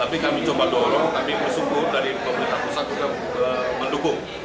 tapi kami coba dorong kami bersyukur dari pemerintah pusat juga mendukung